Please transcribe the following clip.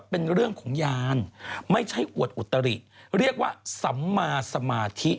เป็นเรื่องของยานไม่ใช่อวดอุตริเรียกว่าสัมมาสมาธิ